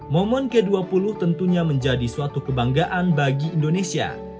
momen g dua puluh tentunya menjadi suatu kebanggaan bagi indonesia